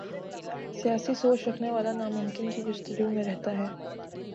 سیاسی سوچ رکھنے والا ناممکن کی جستجو میں رہتا ہے۔